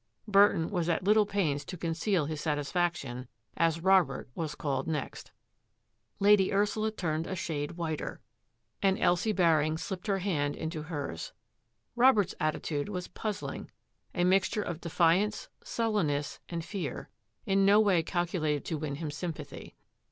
Burton was at little pains to conceal his satisfaction as Robert was called next. Lady Ursula turned a shade whiter, and Elsie 188 THAT AFFAIR AT THE MANOR Baring slipped her hand into hers. Robert's at titude was puzzling — a mixture of defiance, sul lenness, and fear — in no way calculated to win him sympathy.